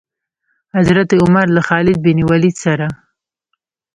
حضرت عمر له خالد بن ولید سره.